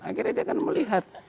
akhirnya dia akan melihat